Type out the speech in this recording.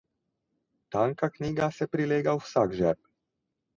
Tanka knjiga se prilega v vsak žep.